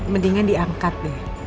mendingan diangkat deh